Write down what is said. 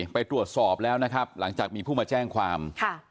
ไปตรวจสอบแล้วนะครับหลังจากมีผู้มาแจ้งความ